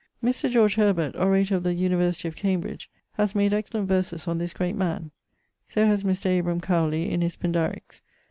Mr. George Herbert, Orator of the University of Cambridge, haz made excellent verses on this great man. So haz Mr. Abraham Cowley in his Pindariques.